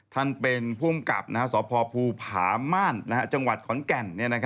ท่านเป็นภูมิกับสพภูผาม่านจังหวัดขอนแก่น